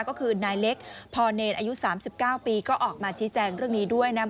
ก็คือนายเล็กพอเนรอายุ๓๙ปีก็ออกมาชี้แจงเรื่องนี้ด้วยนะ